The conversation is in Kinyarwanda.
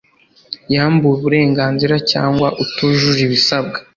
wambuwe uburenganzira cyangwa utujuje ibisabwa